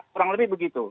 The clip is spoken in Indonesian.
kurang lebih begitu